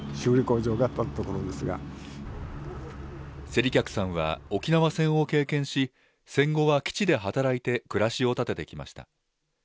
勢理客さんは、沖縄戦を経験し、戦後は基地で働いて、暮らしを立ててきました。